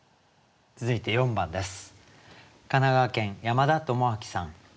続いて４番です。